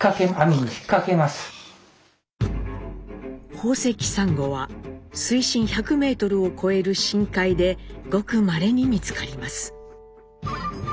宝石サンゴは水深１００メートルを超える深海でごくまれに見つかります。